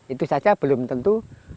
itu saja belum tentu